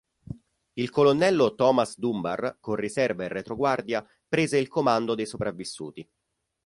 Il colonnello Thomas Dunbar, con riserva e retroguardia, prese il comando dei sopravvissuti.